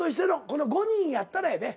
この５人やったらやで。